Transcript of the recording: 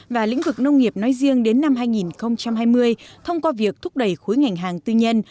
và lĩnh vực nông nghiệp nói riêng đến năm hai nghìn hai mươi thông qua việc thúc đẩy khối ngành hàng tư nhân